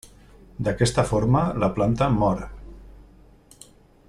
D'aquesta forma la planta mor.